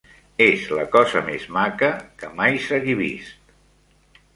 És la cosa més maca que mai s'hagui vist.